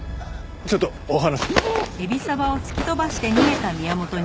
ちょっとお話。